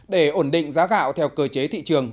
để ổn định giá gạo theo cơ chế thị trường